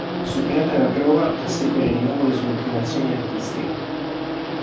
Superata la prova, può seguire di nuovo le sue inclinazioni artistiche.